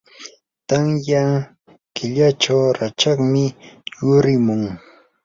tamya killachaw rachakmi yurimun.